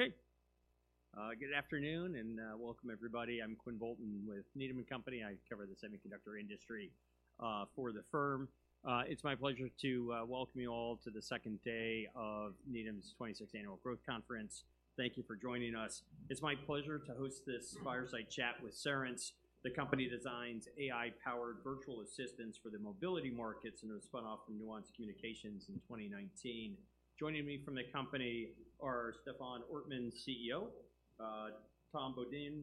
Okay. Good afternoon, and welcome everybody. I'm Quinn Bolton with Needham & Company. I cover the semiconductor industry for the firm. It's my pleasure to welcome you all to the second day of Needham's 26th Annual Growth Conference. Thank you for joining us. It's my pleasure to host this fireside chat with Cerence. The company designs AI-powered virtual assistants for the mobility markets, and it was spun off from Nuance Communications in 2019. Joining me from the company are Stefan Ortmanns, CEO; Tom Beaudoin,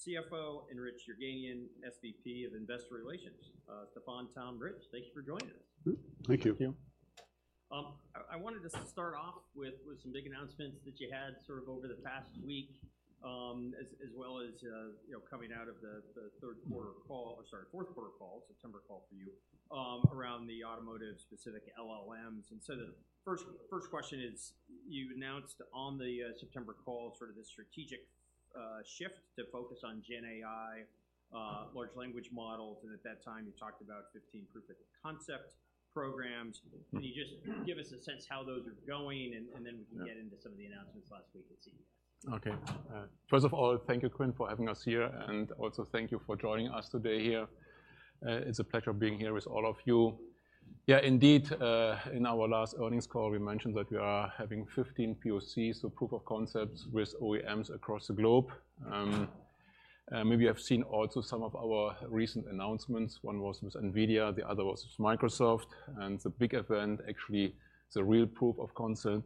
CFO; and Rich Yerganian, SVP of Investor Relations. Stefan, Tom, Rich, thank you for joining us. Thank you. Thank you. I wanted to start off with some big announcements that you had sort of over the past week, as well as you know, coming out of the third quarter call, or sorry, fourth quarter call, September call for you, around the automotive-specific LLMs. And so the first question is, you announced on the September call sort of this strategic shift to focus on Gen AI, Large Language Models, and at that time, you talked about 15 proof of concept programs. Can you just give us a sense how those are going, and then we can get into some of the announcements last week at CES? Okay. First of all, thank you, Quinn, for having us here, and also thank you for joining us today here. It's a pleasure being here with all of you. Yeah, indeed, in our last earnings call, we mentioned that we are having 15 POCs, so proof of concepts, with OEMs across the globe. Maybe you have seen also some of our recent announcements. One was with NVIDIA, the other was with Microsoft, and the big event, actually, the real proof of concept,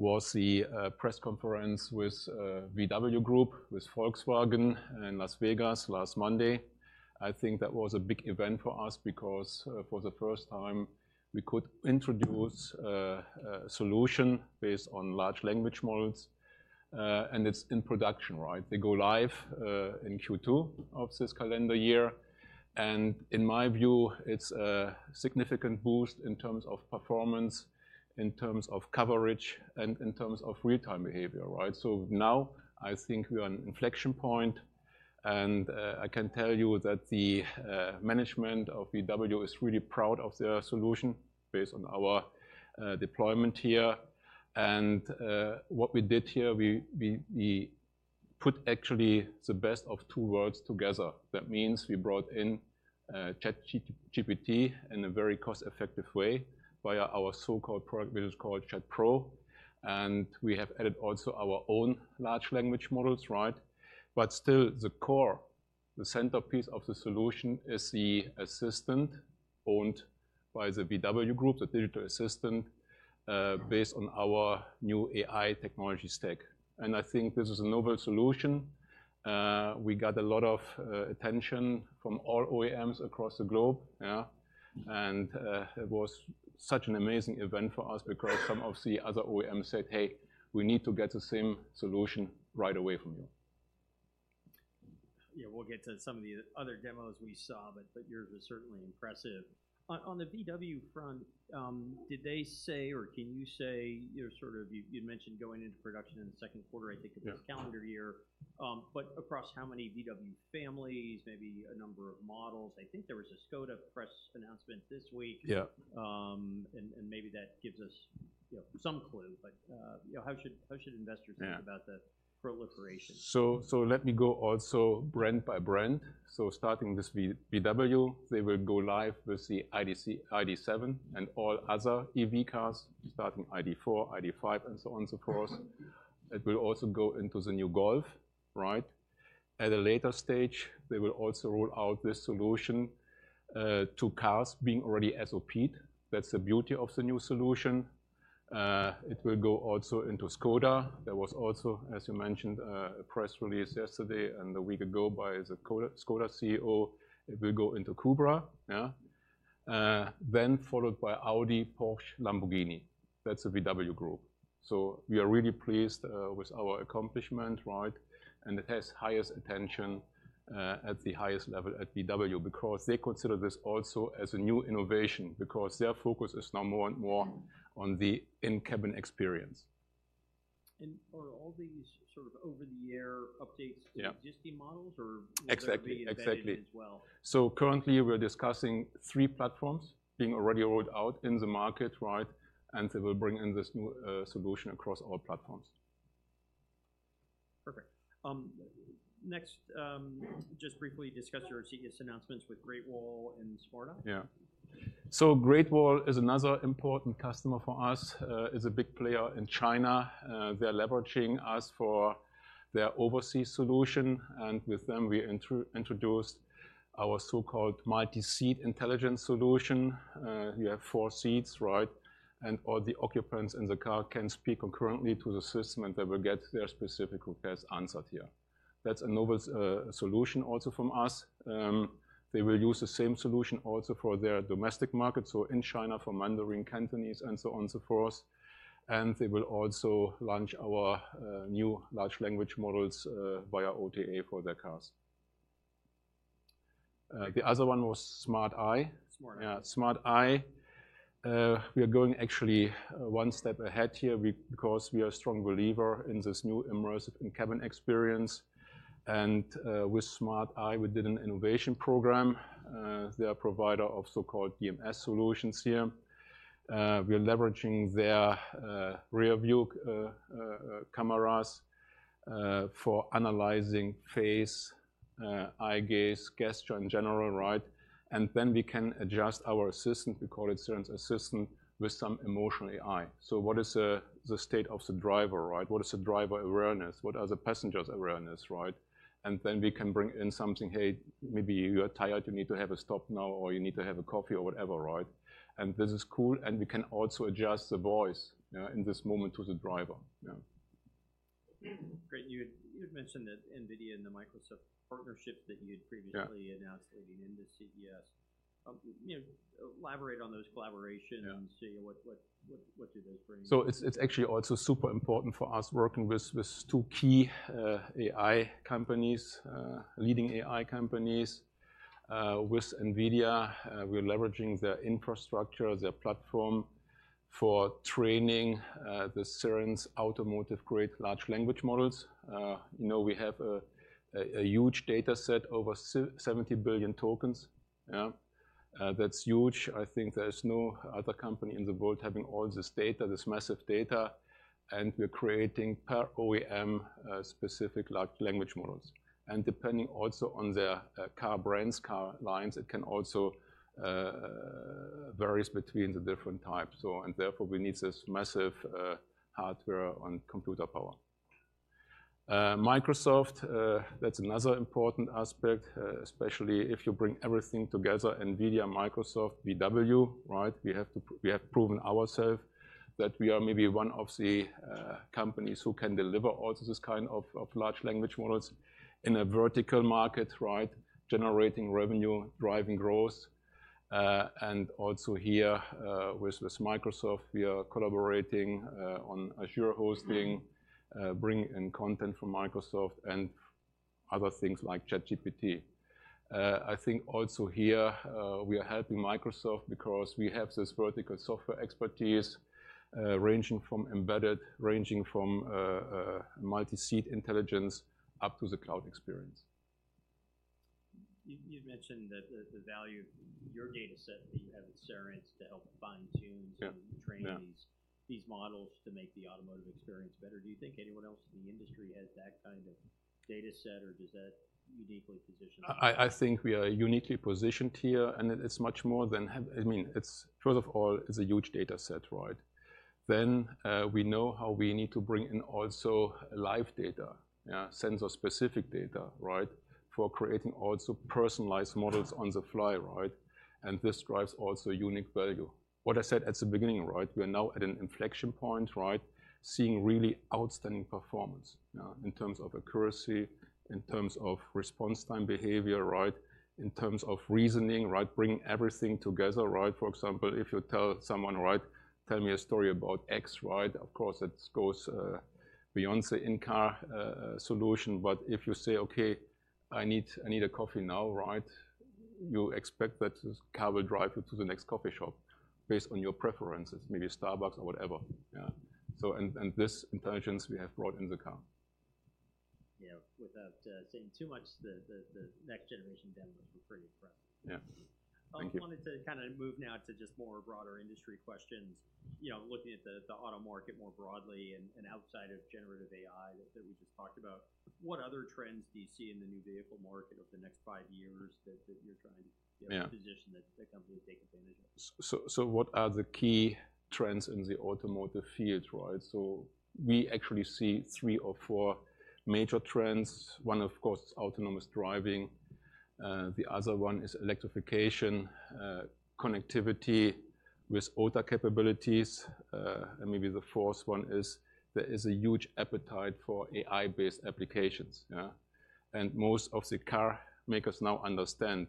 was the press conference with VW Group, with Volkswagen in Las Vegas last Monday. I think that was a big event for us because, for the first time, we could introduce a solution based on Large Language Models, and it's in production, right? They go live in Q2 of this calendar year, and in my view, it's a significant boost in terms of performance, in terms of coverage, and in terms of real-time behavior, right? So now I think we are an inflection point, and I can tell you that the management of VW is really proud of their solution based on our deployment here. And what we did here, we put actually the best of two worlds together. That means we brought in ChatGPT in a very cost-effective way via our so-called product, which is called Chat Pro, and we have added also our own Large Language Models, right? But still, the core, the centerpiece of the solution is the assistant owned by the VW Group, the digital assistant based on our new AI technology stack. I think this is a novel solution. We got a lot of attention from all OEMs across the globe, yeah, and it was such an amazing event for us because some of the other OEMs said, "Hey, we need to get the same solution right away from you. Yeah, we'll get to some of the other demos we saw, but, but yours was certainly impressive. On the VW front, did they say, or can you say, you know, sort of you, you'd mentioned going into production in the second quarter, I think- Yeah... of this calendar year. But across how many VW families, maybe a number of models, I think there was a Škoda press announcement this week. Yeah. And maybe that gives us, you know, some clue, but, you know, how should investors think- Yeah... about the proliferation? So let me go also brand by brand. So starting with VW, they will go live with the ID.7 and all other EV cars, starting ID.4, ID.5, and so on, so forth. It will also go into the new Golf, right? At a later stage, they will also roll out this solution to cars being already SOP-ed. That's the beauty of the new solution. It will go also into Škoda. There was also, as you mentioned, a press release yesterday and a week ago by the Škoda CEO. It will go into Kodiaq, then followed by Audi, Porsche, Lamborghini. That's the VW Group. So we are really pleased with our accomplishment, right? It has highest attention at the highest level at VW because they consider this also as a new innovation, because their focus is now more and more on the in-cabin experience. Are all these sort of over-the-air updates? Yeah... to existing models, or will they? Exactly, exactly... be embedded as well? Currently, we're discussing three platforms being already rolled out in the market, right? They will bring in this new solution across all platforms. Perfect. Next, just briefly discuss your recent announcements with Great Wall and Smart Eye. Yeah. So Great Wall is another important customer for us, is a big player in China. They're leveraging us for their overseas solution, and with them, we introduced our so-called Multi-Seat Intelligence solution. You have four seats, right? And all the occupants in the car can speak concurrently to the system, and they will get their specific requests answered here. That's a novel solution also from us. They will use the same solution also for their domestic market, so in China, for Mandarin, Cantonese, and so on and so forth, and they will also launch our new Large Language Models via OTA for their cars. The other one was Smart Eye. Smart Eye. Yeah, Smart Eye. We are going actually one step ahead here because we are a strong believer in this new immersive in-cabin experience, and with Smart Eye, we did an innovation program. They are a provider of so-called DMS solutions here. We are leveraging their rear-view cameras for analyzing eye gaze, gesture in general, right? And then we can adjust our assistant, we call it Cerence Assistant, with some emotional AI. So what is the state of the driver, right? What is the driver awareness? What are the passengers' awareness, right? And then we can bring in something, "Hey, maybe you are tired, you need to have a stop now, or you need to have a coffee or whatever," right? This is cool, and we can also adjust the voice, in this moment to the driver. Yeah. Great. You had mentioned that NVIDIA and the Microsoft partnership that you'd previously- Yeah... announced leading into CES. You know, elaborate on those collaborations- Yeah... and see what do those bring? So it's actually also super important for us working with two key AI companies, leading AI companies. With NVIDIA, we're leveraging their infrastructure, their platform for training the Cerence automotive-grade Large Language Models. You know, we have a huge data set, over 70 billion tokens. Yeah. That's huge. I think there's no other company in the world having all this data, this massive data, and we're creating per OEM specific Large Language Models. And depending also on their car brands, car lines, it can also varies between the different types. So and therefore, we need this massive hardware and computer power. Microsoft, that's another important aspect, especially if you bring everything together, NVIDIA, Microsoft, VW, right? We have proven ourselves that we are maybe one of the companies who can deliver all of this kind of Large Language Models in a vertical market, right? Generating revenue, driving growth. And also here, with Microsoft, we are collaborating on Azure hosting, bringing in content from Microsoft and other things like ChatGPT. I think also here, we are helping Microsoft because we have this vertical software expertise, ranging from embedded, ranging from Multi-Seat Intelligence up to the cloud experience. You mentioned that the value of your data set that you have at Cerence to help fine-tune- Yeah... and train these models to make the automotive experience better. Do you think anyone else in the industry has that kind of data set, or does that uniquely position you? I think we are uniquely positioned here, and it is much more than—I mean, it's, first of all, it's a huge data set, right? Then, we know how we need to bring in also live data, sensor-specific data, right? For creating also personalized models on the fly, right? And this drives also unique value. What I said at the beginning, right? We are now at an inflection point, right? Seeing really outstanding performance, in terms of accuracy, in terms of response time behavior, right? In terms of reasoning, right? Bringing everything together, right? For example, if you tell someone, right, "Tell me a story about X," right? Of course, it goes beyond the in-car solution, but if you say, "Okay, I need a coffee now," right? You expect that this car will drive you to the next coffee shop based on your preference, maybe Starbucks or whatever. Yeah. So, and, and this intelligence we have brought in the car. Yeah. Without saying too much, the next-generation demos were pretty impressive. Yeah. Thank you. I wanted to kinda move now to just more broader industry questions. You know, looking at the auto market more broadly and outside of Generative AI that we just talked about, what other trends do you see in the new vehicle market over the next five years that you're trying to- Yeah... position the company to take advantage of? So, so what are the key trends in the automotive field, right? So we actually see three or four major trends. One, of course, is autonomous driving. The other one is electrification, connectivity with OTA capabilities. And maybe the fourth one is, there is a huge appetite for AI-based applications, yeah. And most of the car makers now understand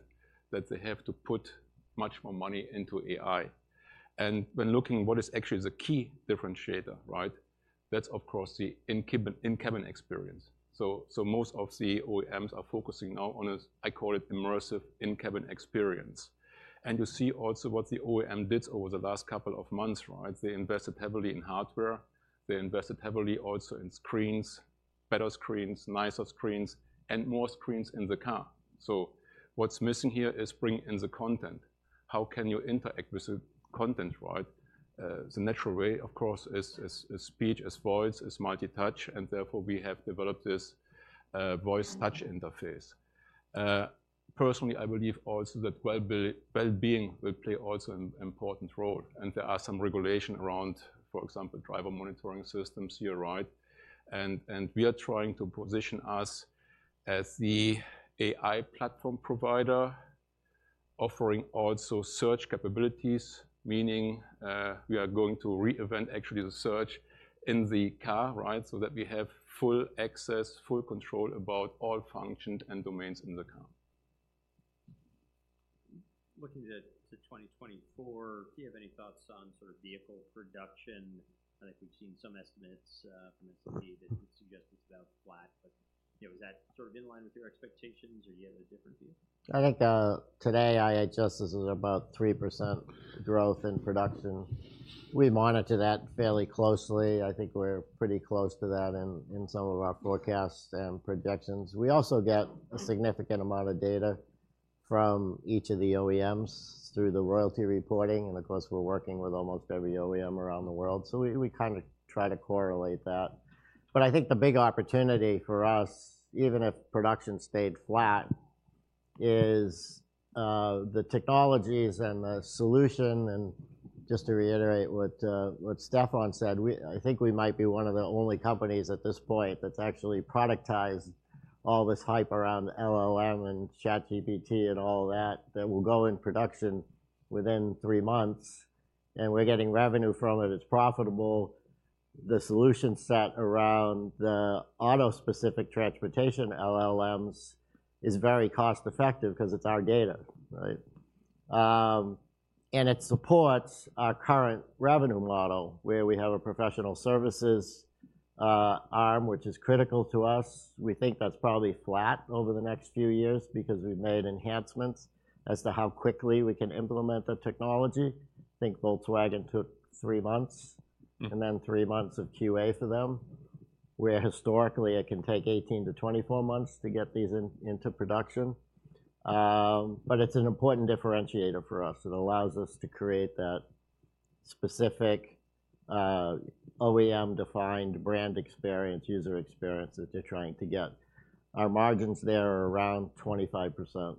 that they have to put much more money into AI. And when looking what is actually the key differentiator, right? That's of course, the in-cabin, in-cabin experience. So, so most of the OEMs are focusing now on a, I call it, immersive in-cabin experience. And you see also what the OEM did over the last couple of months, right? They invested heavily in hardware. They invested heavily also in screens, better screens, nicer screens, and more screens in the car. So what's missing here is bringing in the content. How can you interact with the content, right? The natural way, of course, is speech, is voice, is multi-touch, and therefore, we have developed this voice touch interface. Personally, I believe also that well-being will play also an important role, and there are some regulations around, for example, driver monitoring systems here, right? And we are trying to position us as the AI platform provider, offering also search capabilities, meaning, we are going to reinvent actually the search in the car, right? So that we have full access, full control about all functions and domains in the car. Looking to 2024, do you have any thoughts on sort of vehicle production? I think we've seen some estimates from S&P that suggest it's about flat, but, you know, is that sort of in line with your expectations, or you have a different view? I think, today, IHS says is about 3% growth in production. We monitor that fairly closely. I think we're pretty close to that in, in some of our forecasts and projections. We also get a significant amount of data from each of the OEMs through the royalty reporting, and of course, we're working with almost every OEM around the world, so we, we kind of try to correlate that. But I think the big opportunity for us, even if production stayed flat, is the technologies and the solution, and just to reiterate what what Stefan said, I think we might be one of the only companies at this point that's actually productized all this hype around LLM and ChatGPT and all that, that will go in production within three months, and we're getting revenue from it. It's profitable. The solution set around the auto-specific transportation LLMs is very cost-effective because it's our data, right? And it supports our current revenue model, where we have a professional services arm, which is critical to us. We think that's probably flat over the next few years because we've made enhancements as to how quickly we can implement the technology. I think Volkswagen took three months- Mm-hmm. and then three months of QA for them, where historically, it can take 18-24 months to get these in, into production. But it's an important differentiator for us. It allows us to create that specific, OEM-defined brand experience, user experience that they're trying to get. Our margins there are around 25%.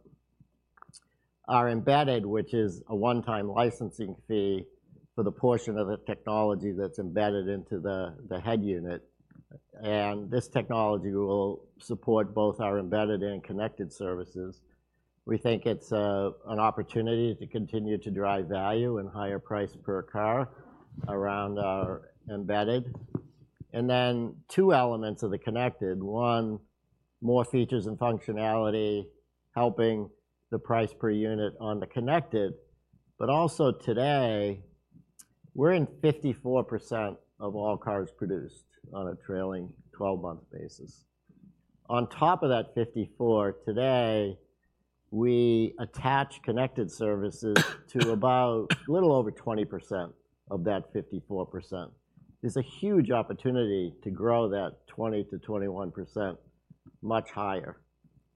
Our embedded, which is a one-time licensing fee for the portion of the technology that's embedded into the, the head unit, and this technology will support both our embedded and connected services. We think it's an opportunity to continue to drive value and higher price per car around our embedded. And then two elements of the connected: one, more features and functionality, helping the price per unit on the connected. But also today, we're in 54% of all cars produced on a trailing 12-month basis. On top of that 54, today, we attach connected services to about a little over 20% of that 54%. There's a huge opportunity to grow that 20%-21% much higher.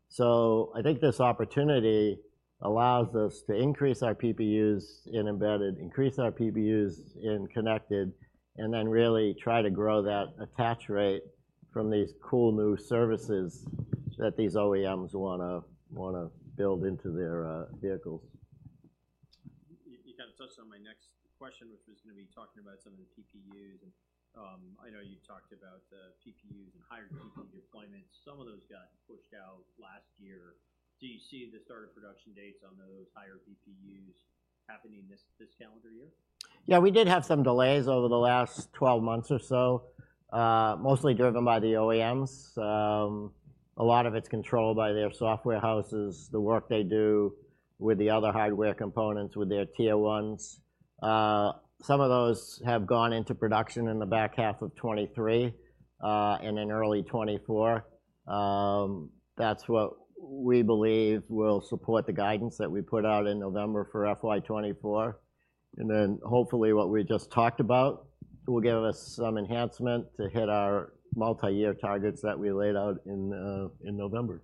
So I think this opportunity allows us to increase our PPUs in embedded, increase our PPUs in connected, and then really try to grow that attach rate from these cool new services that these OEMs wanna build into their vehicles. You kind of touched on my next question, which was gonna be talking about some of the PPUs, and I know you talked about the PPUs and higher PPU deployments. Some of those got pushed out last year. Do you see the start of production dates on those higher PPUs happening this calendar year? Yeah, we did have some delays over the last 12 months or so, mostly driven by the OEMs. A lot of it's controlled by their software houses, the work they do with the other hardware components, with their Tier 1s. Some of those have gone into production in the back half of 2023, and in early 2024. That's what we believe will support the guidance that we put out in November for FY 2024, and then hopefully, what we just talked about will give us some enhancement to hit our multiyear targets that we laid out in, in November.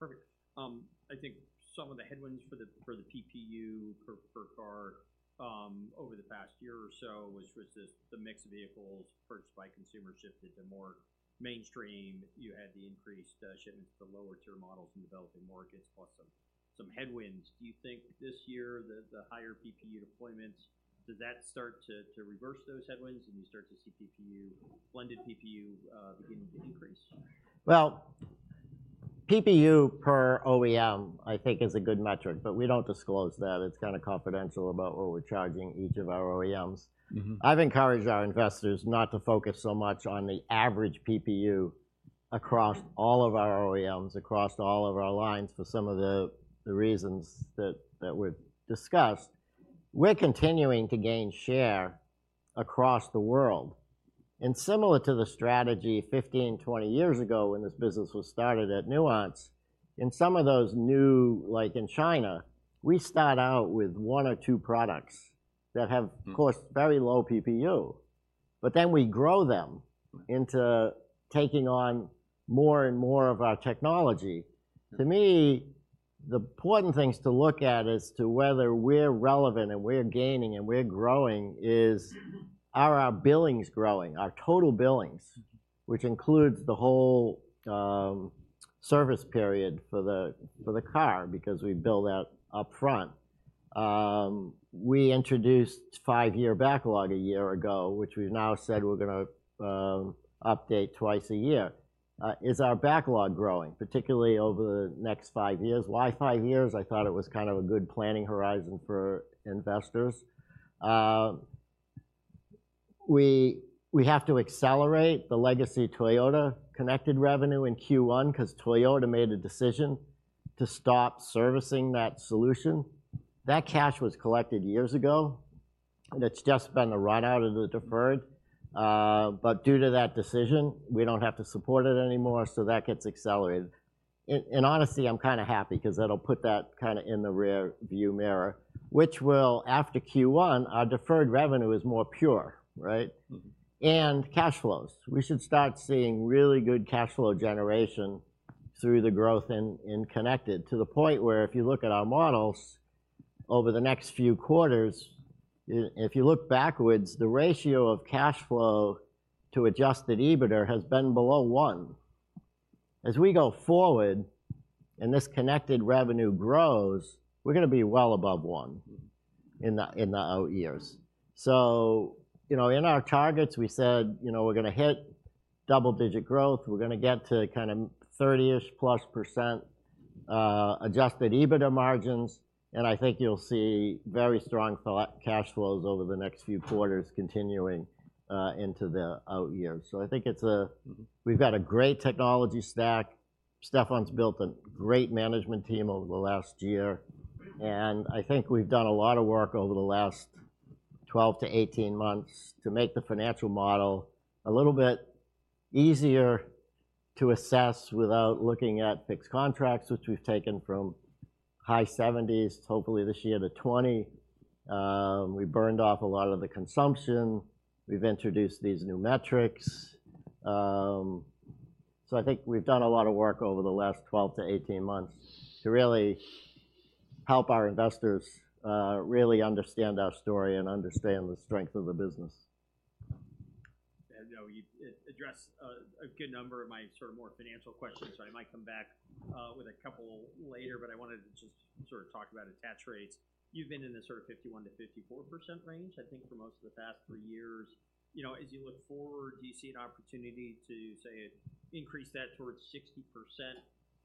Perfect. I think some of the headwinds for the PPU per car over the past year or so, which was the mix of vehicles purchased by consumers shifted to more mainstream. You had the increased shipments to lower-tier models in developing markets, plus some headwinds. Do you think this year, the higher PPU deployments, does that start to reverse those headwinds, and you start to see PPU, blended PPU, beginning to increase? Well, PPU per OEM, I think, is a good metric, but we don't disclose that. It's kind of confidential about what we're charging each of our OEMs. Mm-hmm. I've encouraged our investors not to focus so much on the average PPU across all of our OEMs, across all of our lines, for some of the reasons that we've discussed. We're continuing to gain share across the world, and similar to the strategy 15-20 years ago when this business was started at Nuance, in some of those new... Like in China, we start out with one or two products that have- Mm... of course, very low PPU, but then we grow them- Mm into taking on more and more of our technology. Mm. To me, the important things to look at as to whether we're relevant and we're gaining and we're growing is: are our billings growing, our total billings- Mm... which includes the whole service period for the car because we bill that upfront. We introduced five-year backlog a year ago, which we've now said we're gonna update twice a year. Is our backlog growing, particularly over the next five years? Why five years? I thought it was kind of a good planning horizon for investors. We have to accelerate the legacy Toyota connected revenue in Q1 'cause Toyota made a decision to stop servicing that solution. That cash was collected years ago, and it's just been a write-out of the deferred, but due to that decision, we don't have to support it anymore, so that gets accelerated. In honesty, I'm kind of happy 'cause that'll put that kind of in the rear-view mirror, which will, after Q1, our deferred revenue is more pure, right? Mm-hmm. And cash flows. We should start seeing really good cash flow generation through the growth in connected, to the point where if you look at our models over the next few quarters, if you look backwards, the ratio of cash flow to Adjusted EBITDA has been below one. As we go forward and this connected revenue grows, we're gonna be well above one in the out years. So, you know, in our targets, we said, you know, we're gonna hit double-digit growth. We're gonna get to kind of 30-ish%+, Adjusted EBITDA margins, and I think you'll see very strong cash flows over the next few quarters continuing into the out years. So I think it's we've got a great technology stack. Stefan's built a great management team over the last year, and I think we've done a lot of work over the last 12-18 months to make the financial model a little bit easier to assess without looking at fixed contracts, which we've taken from high 70s, hopefully this year to 20. We burned off a lot of the consumption. We've introduced these new metrics. So I think we've done a lot of work over the last 12-18 months to really help our investors, really understand our story and understand the strength of the business. You know, you addressed a good number of my sort of more financial questions, so I might come back with a couple later, but I wanted to just sort of talk about attach rates. You've been in the sort of 51%-54% range, I think, for most of the past 3 years. You know, as you look forward, do you see an opportunity to, say, increase that towards 60%?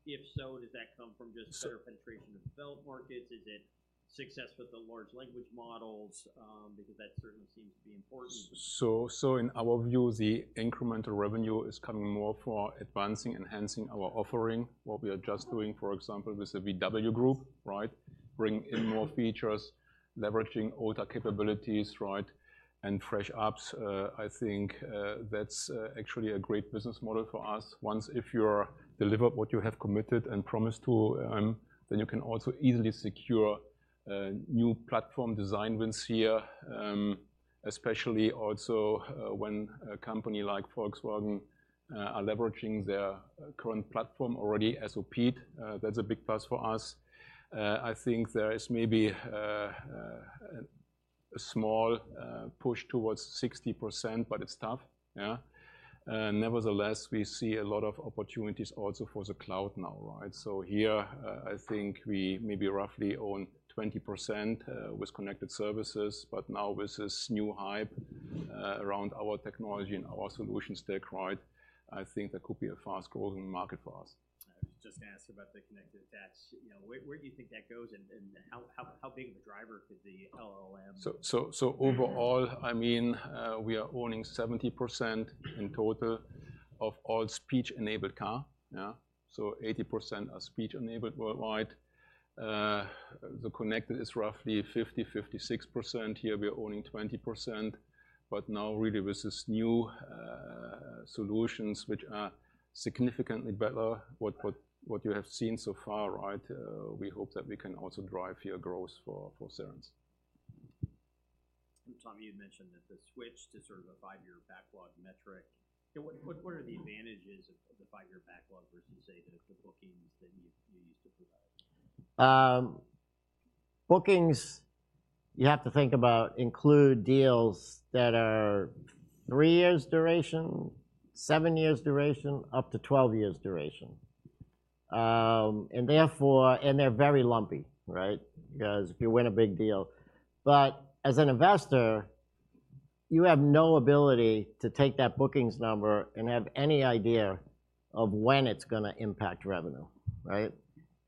If so, does that come from just- Sure... better penetration of developed markets? Is it success with the Large Language Models? Because that certainly seems to be important. So, in our view, the incremental revenue is coming more for advancing, enhancing our offering, what we are just doing, for example, with the VW Group, right? Bring in more features, leveraging all the capabilities, right, and fresh apps. I think that's actually a great business model for us. Once, if you deliver what you have committed and promised to, then you can also easily secure new platform design wins here, especially also when a company like Volkswagen are leveraging their current platform already, SOP. I think there is maybe a small push towards 60%, but it's tough, yeah. And nevertheless, we see a lot of opportunities also for the cloud now, right? So here, I think we maybe roughly own 20% with connected services, but now with this new hype around our technology and our solution stack, right, I think that could be a fast-growing market for us. I was just gonna ask you about the connected attach. You know, where, where do you think that goes, and, and how, how, how big of a driver could the LLM- So overall, I mean, we are owning 70% in total of all speech-enabled car, yeah? So 80% are speech-enabled worldwide. The connected is roughly 56%. Here, we are owning 20%, but now really with this new solutions, which are significantly better what you have seen so far, right, we hope that we can also drive here growth for Cerence. Tom, you'd mentioned that the switch to sort of a five-year backlog metric, you know, what are the advantages of the five-year backlog versus, say, the bookings that you used to provide? Bookings, you have to think about, include deals that are 3 years duration, 7 years duration, up to 12 years duration. And therefore, they're very lumpy, right? Because if you win a big deal... But as an investor, you have no ability to take that bookings number and have any idea of when it's gonna impact revenue, right?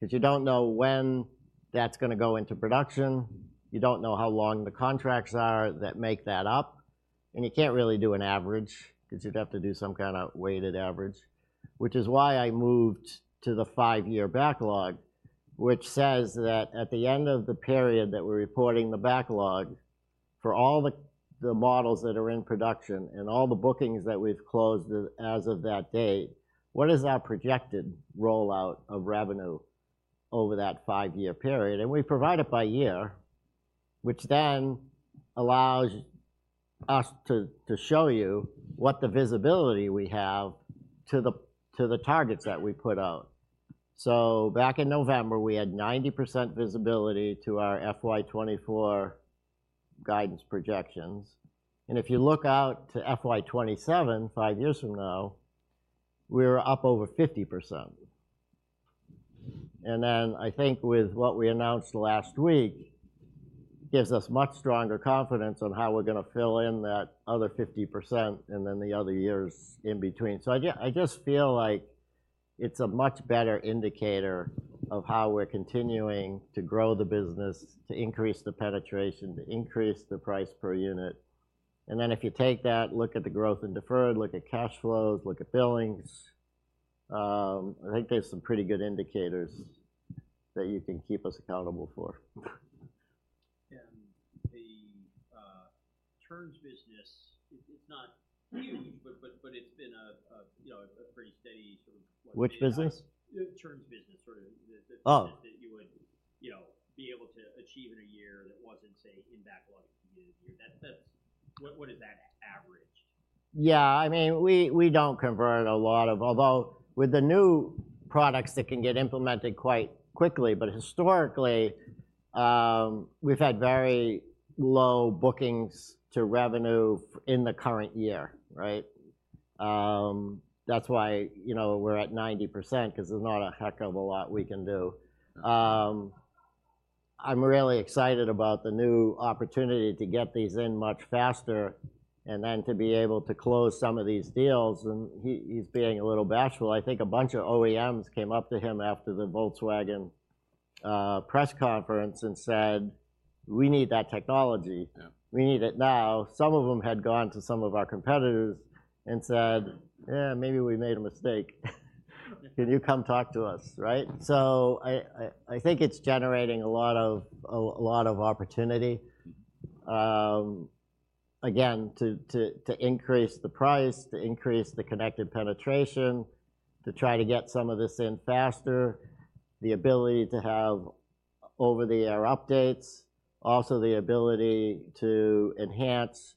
Because you don't know when that's gonna go into production, you don't know how long the contracts are that make that up, and you can't really do an average because you'd have to do some kind of weighted average, which is why I moved to the five-year backlog, which says that at the end of the period that we're reporting the backlog, for all the models that are in production and all the bookings that we've closed as of that date, what is our projected rollout of revenue over that five-year period? And we provide it by year, which then allows us to show you what the visibility we have to the targets that we put out. Back in November, we had 90% visibility to our FY 2024 guidance projections, and if you look out to FY 2027, five years from now, we're up over 50%. And then I think with what we announced last week, gives us much stronger confidence on how we're gonna fill in that other 50% and then the other years in between. So I just, I just feel like it's a much better indicator of how we're continuing to grow the business, to increase the penetration, to increase the price per unit, and then if you take that, look at the growth in deferred, look at cash flows, look at billings, I think there's some pretty good indicators that you can keep us accountable for. The turns business, it's not huge, but it's been, you know, a pretty steady sort of- Which business? The turns business, sort of the... Oh... that you would, you know, be able to achieve in a year... wasn't, say, in backlog unit here. That's what is that average? Yeah, I mean, we don't convert a lot of, although with the new products, that can get implemented quite quickly. But historically, we've had very low bookings to revenue in the current year, right? That's why, you know, we're at 90%, 'cause there's not a heck of a lot we can do. I'm really excited about the new opportunity to get these in much faster and then to be able to close some of these deals. And he's being a little bashful. I think a bunch of OEMs came up to him after the Volkswagen press conference and said, "We need that technology. Yeah. We need it now." Some of them had gone to some of our competitors and said, "Eh, maybe we made a mistake. Can you come talk to us?" Right? So I think it's generating a lot of opportunity, again, to increase the price, to increase the connected penetration, to try to get some of this in faster, the ability to have over-the-air updates, also the ability to enhance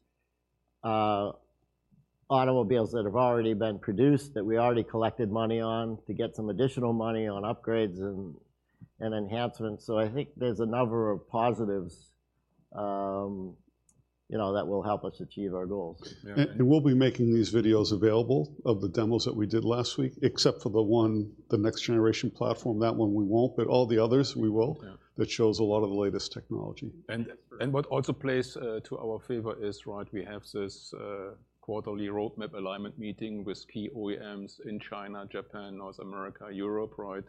automobiles that have already been produced, that we already collected money on, to get some additional money on upgrades and enhancements. So I think there's a number of positives, you know, that will help us achieve our goals. Yeah. And we'll be making these videos available of the demos that we did last week, except for the one, the next-generation platform. That one we won't, but all the others, we will. Yeah. That shows a lot of the latest technology. What also plays to our favor is, right, we have this quarterly roadmap alignment meeting with key OEMs in China, Japan, North America, Europe, right?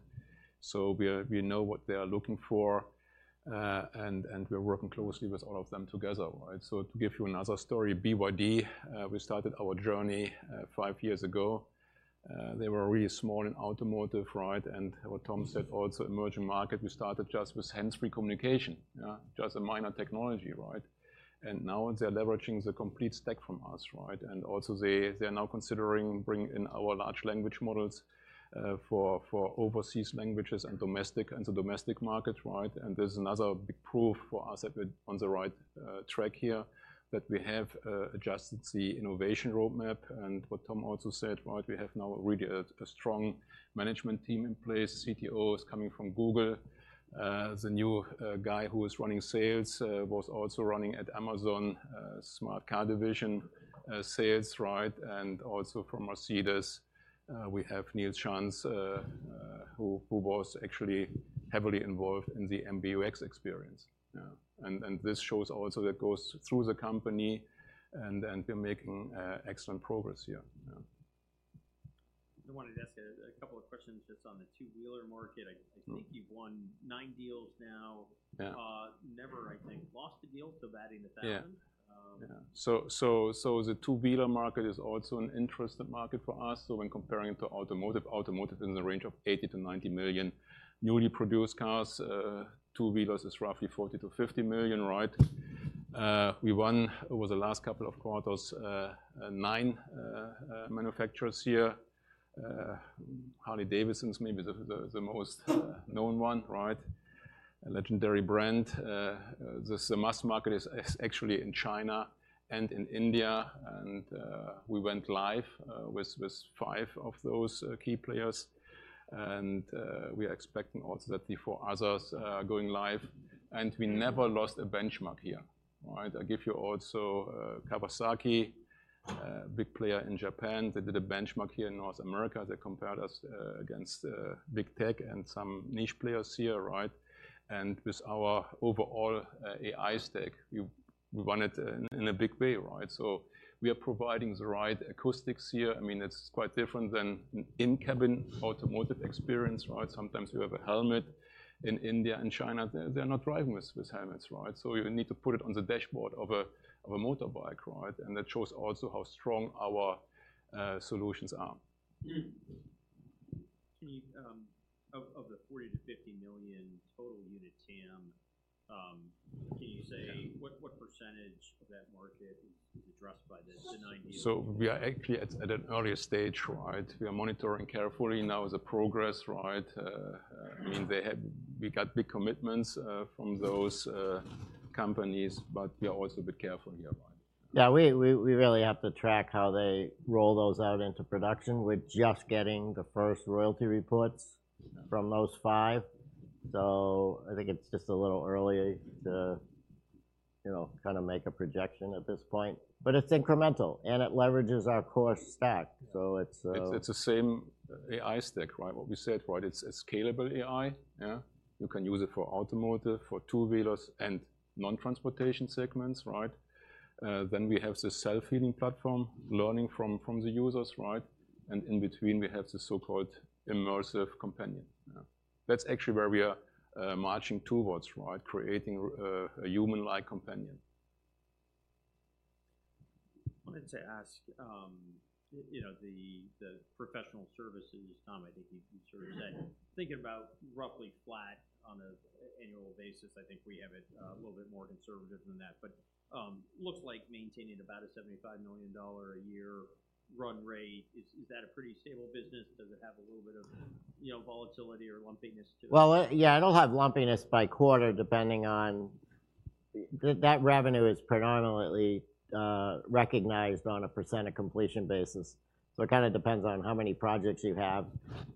So we are—we know what they are looking for, and we're working closely with all of them together, right? So to give you another story, BYD, we started our journey five years ago. They were really small in automotive, right? And what Tom said, also emerging market, we started just with hands-free communication, yeah, just a minor technology, right? And now they're leveraging the complete stack from us, right? And also, they, they're now considering bringing in our Large Language Models for overseas languages and domestic, into domestic market, right? And there's another big proof for us that we're on the right track here, that we have adjusted the innovation roadmap. And what Tom also said, right, we have now really a strong management team in place. CTO is coming from Google. The new guy who is running sales was also running at Amazon Smart Car Division sales, right? And also from Mercedes we have Nils Schanz who was actually heavily involved in the MBUX experience. Yeah. And this shows also that goes through the company, and we're making excellent progress here. Yeah. I wanted to ask a couple of questions just on the two-wheeler market. Mm-hmm. I think you've won 9 deals now. Yeah. Never, I think, lost a deal so batting a thousand. Yeah. Um- Yeah. So the two-wheeler market is also an interesting market for us. So when comparing to automotive, automotive is in the range of 80-90 million newly produced cars. Two-wheelers is roughly 40-50 million, right? We won, over the last couple of quarters, 9 manufacturers here. Harley-Davidson's maybe the most known one, right? A legendary brand. The mass market is actually in China and in India, and we went live with 5 of those key players. And we are expecting also the 4 others going live. And we never lost a benchmark here, right? I give you also Kawasaki, big player in Japan. They did a benchmark here in North America. They compared us against big tech and some niche players here, right? And with our overall AI stack, we won it in a big way, right? So we are providing the right acoustics here. I mean, it's quite different than an in-cabin automotive experience, right? Sometimes you have a helmet. In India and China, they're not driving with helmets, right? So you need to put it on the dashboard of a motorbike, right? And that shows also how strong our solutions are. Mm-hmm. Can you... Of the 40-50 million total unit TAM, can you say- Yeah... what, what percentage of that market is addressed by this, the nine deals? So we are actually at an earlier stage, right? We are monitoring carefully now the progress, right? I mean, they have, we got big commitments from those companies, but we are also a bit careful here, right? Yeah, we really have to track how they roll those out into production. We're just getting the first royalty reports- Yeah... from those five. So I think it's just a little early to, you know, kind of make a projection at this point. But it's incremental, and it leverages our core stack. Yeah. So it's, It's the same AI stack, right? What we said, right? It's a scalable AI, yeah. You can use it for automotive, for two-wheelers, and non-transportation segments, right? Then we have the self-healing platform, learning from the users, right? And in between, we have the so-called immersive companion. Yeah. That's actually where we are marching towards, right? Creating a human-like companion. I wanted to ask, you know, the professional services, Tom, I think you sort of said, thinking about roughly flat on an annual basis. I think we have it a little bit more conservative than that. But looks like maintaining about a $75 million a year run rate. Is that a pretty stable business? Does it have a little bit of, you know, volatility or lumpiness to it? Well, yeah, it'll have lumpiness by quarter, that revenue is predominantly recognized on a percent of completion basis. So it kind of depends on how many projects you have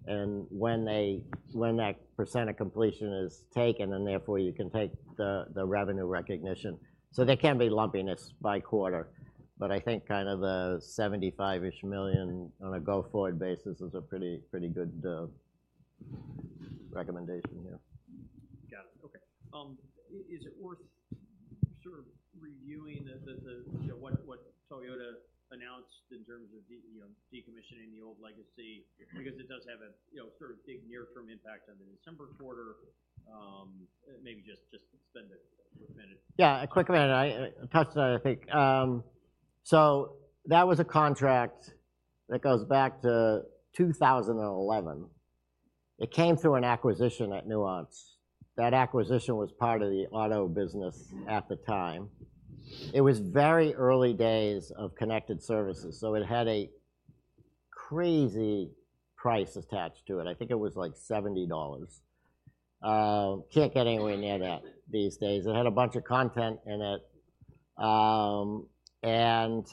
and when they, when that percent of completion is taken, and therefore you can take the, the revenue recognition. So there can be lumpiness by quarter, but I think kind of the $75-ish million on a go-forward basis is a pretty, pretty good recommendation here. Got it. Okay. Is it worth sort of reviewing the, you know, what Toyota announced in terms of decommissioning the old legacy? Because it does have a, you know, sort of big near-term impact on the December quarter. Maybe just spend a quick minute. Yeah, a quick minute. I touched on it, I think. So that was a contract that goes back to 2011. It came through an acquisition at Nuance. That acquisition was part of the auto business at the time. It was very early days of connected services, so it had a crazy price attached to it. I think it was, like, $70. Can't get anywhere near that these days. It had a bunch of content in it, and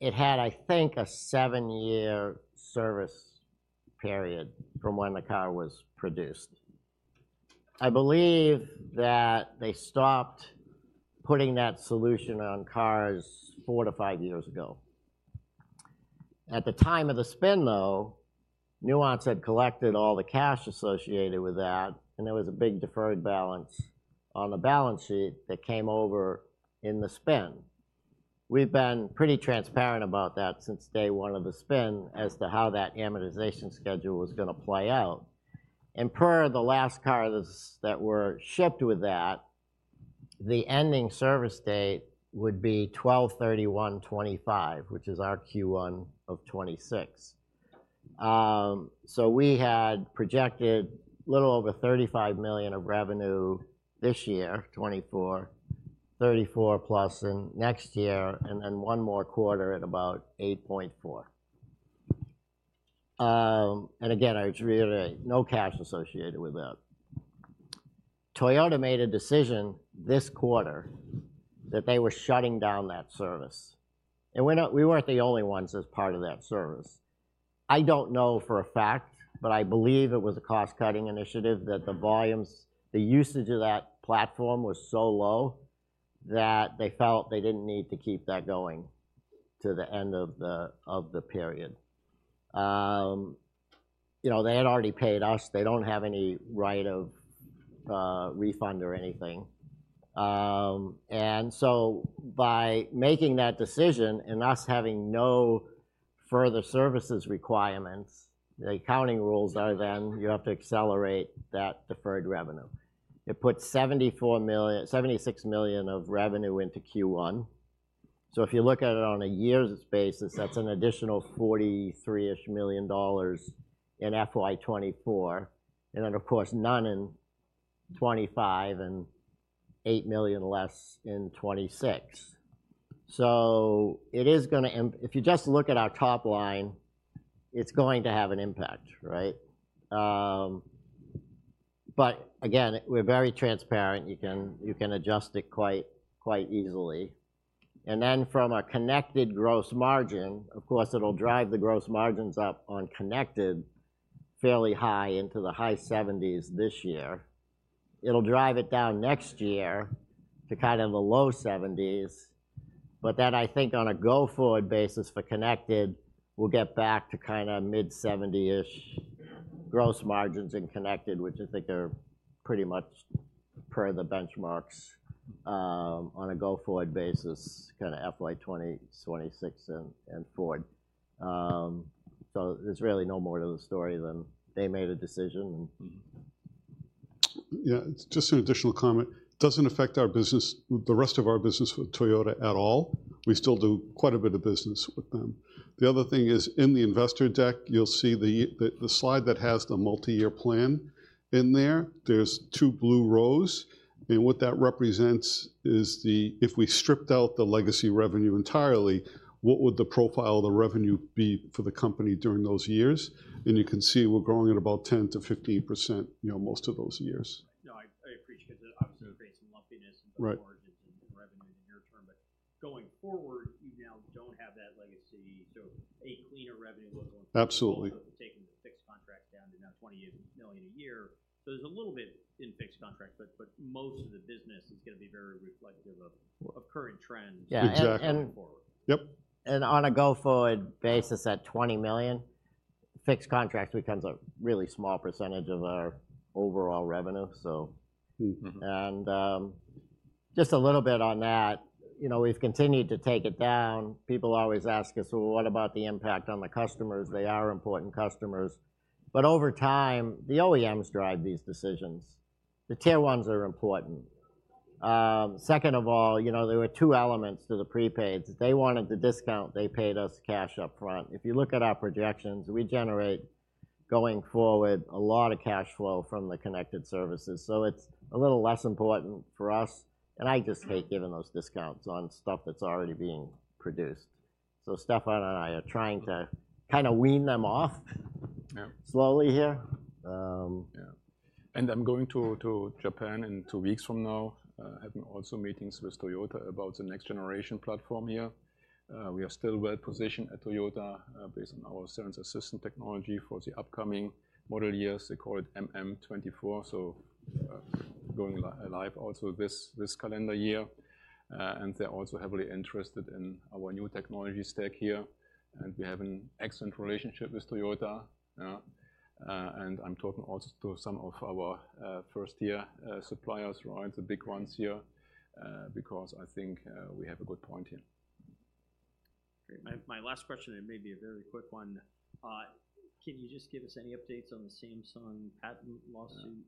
it had, I think, a 7-year service period from when the car was produced. I believe that they stopped putting that solution on cars 4-5 years ago. At the time of the spin, though, Nuance had collected all the cash associated with that, and there was a big deferred balance on the balance sheet that came over in the spin. We've been pretty transparent about that since day one of the spin as to how that amortization schedule was gonna play out. Per the last cars that were shipped with that, the ending service date would be 12/31/2025, which is our Q1 of 2026. So we had projected a little over $35 million of revenue this year, 2024, $34 million+ in next year, and then one more quarter at about $8.4 million. And again, I just reiterate, no cash associated with that. Toyota made a decision this quarter that they were shutting down that service, and we weren't the only ones as part of that service. I don't know for a fact, but I believe it was a cost-cutting initiative, that the volumes, the usage of that platform was so low that they felt they didn't need to keep that going to the end of the period. You know, they had already paid us. They don't have any right of refund or anything. And so by making that decision and us having no further services requirements, the accounting rules are then you have to accelerate that deferred revenue. It put $74 million-$76 million of revenue into Q1. So if you look at it on a year's basis, that's an additional $43-ish million in FY 2024, and then, of course, none in 2025 and $8 million less in 2026. So it is gonna impact. If you just look at our top line, it's going to have an impact, right? But again, we're very transparent. You can adjust it quite easily. And then, from a connected gross margin, of course, it'll drive the gross margins up on connected fairly high into the high 70s% this year. It'll drive it down next year to kind of the low 70s%, but then I think on a go-forward basis for connected, we'll get back to kinda mid-70s-ish gross margins in connected, which I think are pretty much per the benchmarks, on a go-forward basis, kinda FY 2026 and forward. So there's really no more to the story than they made a decision. Mm-hmm. Yeah, just an additional comment. Doesn't affect our business, the rest of our business with Toyota at all. We still do quite a bit of business with them. The other thing is, in the investor deck, you'll see the slide that has the multiyear plan in there. There's two blue rows, and what that represents is the, if we stripped out the legacy revenue entirely, what would the profile of the revenue be for the company during those years? And you can see we're growing at about 10%-15%, you know, most of those years. No, I appreciate it, because it obviously creates some lumpiness- Right... in margins and revenue in the near term. But going forward, you now don't have that legacy, so a cleaner revenue look going forward. Absolutely. Taking the fixed contracts down to now $20 million a year. So there's a little bit in fixed contracts, but, but most of the business is gonna be very reflective of, of current trends- Yeah. Exactly Going forward. Yep. On a go-forward basis, at $20 million, fixed contracts becomes a really small percentage of our overall revenue, so. Mm-hmm. Just a little bit on that, you know, we've continued to take it down. People always ask us: Well, what about the impact on the customers? They are important customers. But over time, the OEMs drive these decisions. The tier ones are important. Second of all, you know, there were two elements to the prepaids. They wanted the discount, they paid us cash up front. If you look at our projections, we generate, going forward, a lot of cash flow from the connected services, so it's a little less important for us, and I just hate giving those discounts on stuff that's already being produced. So Stefan and I are trying to kinda wean them off- Yeah... slowly here. Yeah. I'm going to Japan in two weeks from now, having also meetings with Toyota about the next generation platform here. We are still well positioned at Toyota, based on our Cerence assistant technology for the upcoming model years. They call it MM24, so, going live also this calendar year. And they're also heavily interested in our new technology stack here, and we have an excellent relationship with Toyota, and I'm talking also to some of our Tier 1 suppliers, right, the big ones here, because I think we have a good point here. Great. My last question, it may be a very quick one. Can you just give us any updates on the Samsung patent lawsuit,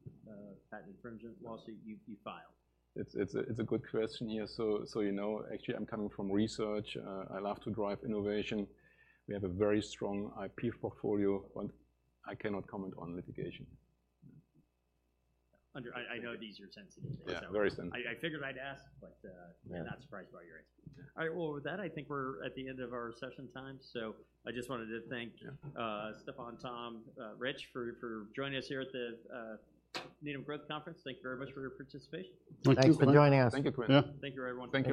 patent infringement lawsuit you filed? It's a good question here. So, you know, actually, I'm coming from research. I love to drive innovation. We have a very strong IP portfolio, but I cannot comment on litigation. I know these are sensitive. Yeah, very sensitive. I figured I'd ask, but, Yeah... I'm not surprised by your answer. All right, well, with that, I think we're at the end of our session time, so I just wanted to thank- Yeah... Stefan, Tom, Rich, for joining us here at the Needham Growth Conference. Thank you very much for your participation. Thank you. Thanks for joining us. Thank you, Quinn. Yeah, thank you, everyone. Thank you.